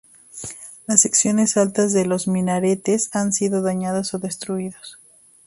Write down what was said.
Las secciones altas de los minaretes han sido dañados o destruidos.